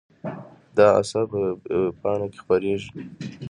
دا اثر په وېبپاڼه کې خپریږي.